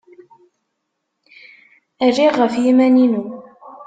Rriɣ ɣef yiman-inu.